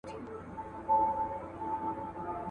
په نړۍ کي د رڼا پلوشې خپرې کړئ.